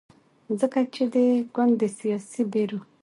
ځکه چې دې ګوند د سیاسي بیرو